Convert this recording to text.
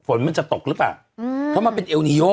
ฝนมันจะตกหรือเปล่าอืมเพราะมันเป็นเอลนีโย